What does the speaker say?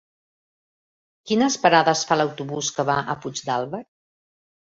Quines parades fa l'autobús que va a Puigdàlber?